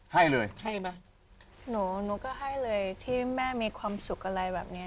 ให้เลยให้ไหมหนูหนูก็ให้เลยที่แม่มีความสุขอะไรแบบเนี้ย